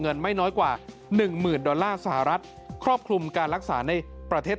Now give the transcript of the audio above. ไม่น้อยกว่า๑หมื่นดอลลาร์สหรัฐครอบคลุมการรักษาในประเทศ